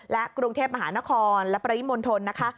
และกรุงเทพมหานครและปริมณฑลนะคะ